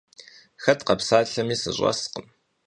Хэт къэпсалъэми сыщӀэскъым.